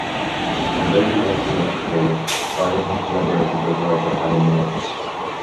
Although he mostly works solo, Beyer has collaborated with writer Alan Moore.